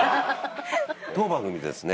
当番組ですね